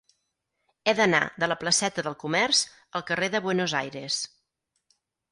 He d'anar de la placeta del Comerç al carrer de Buenos Aires.